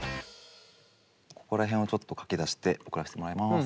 ここら辺をちょっと書き出して送らせてもらいます。